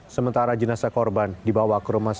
sementara jenasa korban dibawa ke jalan raya bogor